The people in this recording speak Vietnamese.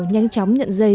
nhanh chóng nhận dây